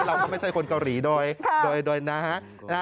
ไม่ใช่คนเกาหลีโดยนะฮะ